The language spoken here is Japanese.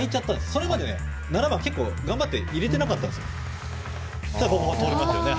それまで７番は頑張って入れてなかったんですが。